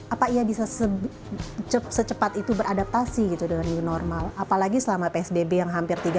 apa ia bisa secepat itu beradaptasi gitu dengan new normal apalagi selama psbb yang hampir